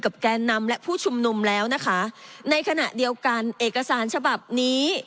แกนนำและผู้ชุมนุมแล้วนะคะในขณะเดียวกันเอกสารฉบับนี้